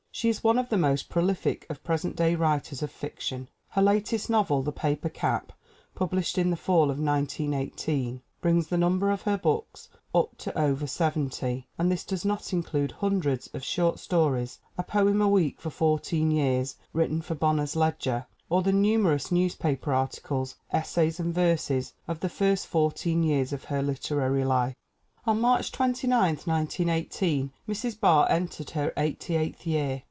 She is one of the most prolific of present day writers of fiction. Her latest novel, The Paper Cap, published in the fall of 1918, brings the number of her books up to over seventy, and this does not include hun dreds of short stories, a poem a week for fourteen years, written for Bonner's Ledger, or the numerous newspaper articles, essays and verses of the first four teen years of her literary life. 304 AMELIA E. BARR 305 On March 29, 1918, Mrs. Barr entered her eighty eighth year.